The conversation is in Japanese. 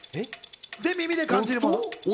で、耳で感じるもの。